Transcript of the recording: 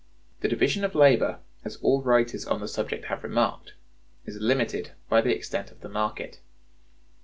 The division of labor, as all writers on the subject have remarked, is limited by the extent of the market.